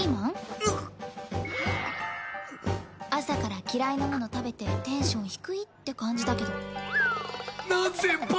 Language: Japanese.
朝から嫌いなもの食べてテンション低いって感じだけど。